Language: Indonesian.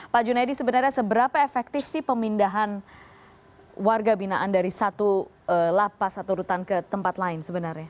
pak junaidi sebenarnya seberapa efektif sih pemindahan warga binaan dari satu lapas atau rutan ke tempat lain sebenarnya